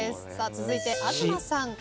続いて東さん。